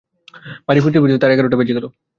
বাড়ি ফিরতে-ফিরতে তাঁর এগারটা বেজে গেল।